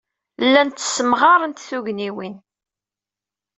Llant ssemɣarent tugniwin.